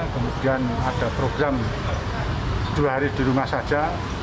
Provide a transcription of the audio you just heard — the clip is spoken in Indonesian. kemudian ada program dua hari di rumah saja